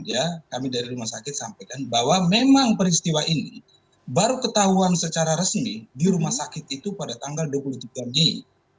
ya kami dari rumah sakit sampaikan bahwa memang peristiwa ini baru ketahuan secara resmi di rumah sakit itu pada tanggal dua puluh tiga mei